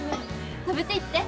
食べていって！